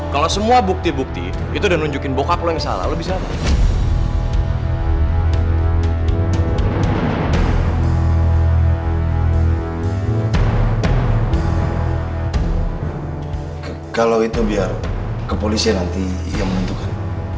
kalau itu biar ke polisi nanti ia menentukan